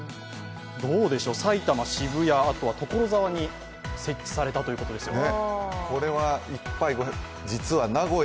どうでしょう、埼玉、渋谷、所沢に設置されたということですよね。